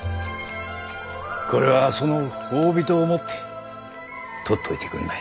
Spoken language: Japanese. これはその褒美と思ってとっといてくんない。